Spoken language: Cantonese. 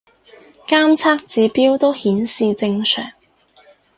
監測指標都顯示正常